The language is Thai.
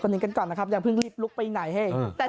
เดี๋ยวกันนึงกันก่อนนะครับอย่างเพิ่งรีบลุกไปไหนเฮ้